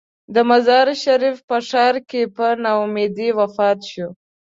د مزار شریف په ښار کې په نا امیدۍ وفات شو.